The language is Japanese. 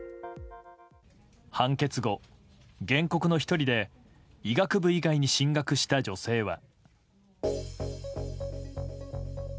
判決後、原告の１人で医学部以外に進学した女性は。